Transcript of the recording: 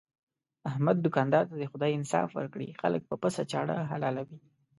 احمد دوکاندار ته دې خدای انصاف ورکړي، خلک په پڅه چاړه حلالوي.